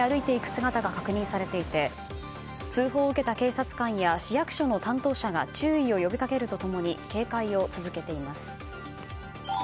姿が確認されていて通報を受けた警察官や市役所の担当者が注意を呼びかけると共に警戒を続けています。